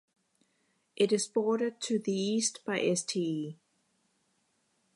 It is bordered to the east by Ste.